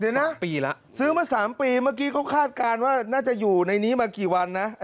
เดี๋ยวนะปีแล้วซื้อมา๓ปีเมื่อกี้เขาคาดการณ์ว่าน่าจะอยู่ในนี้มากี่วันนะ